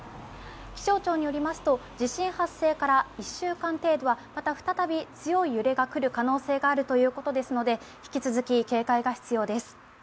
気象庁によりますと地震発生から１週間程度は再び強い揺れが来る可能性があるということですから引き続き警戒が必要です。